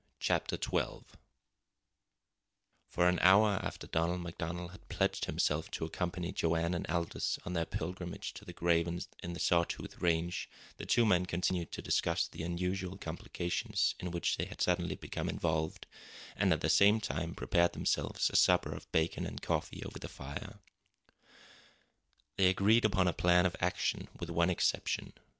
CHAPTER XII For an hour after Donald MacDonald had pledged himself to accompany Joanne and Aldous on their pilgrimage to the grave in the Saw Tooth Range the two men continued to discuss the unusual complications in which they had suddenly become involved, and at the same time prepared themselves a supper of bacon and coffee over the fire. They agreed upon a plan of action with one exception.